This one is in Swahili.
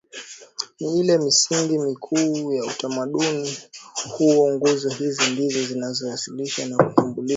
ni ile misingi mikuu ya utamaduni huu Nguzo hizi ndizo zinazoushikilia na kuutambulisha utamaduni